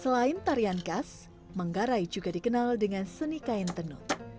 selain tarian khas manggarai juga dikenal dengan seni kain tenun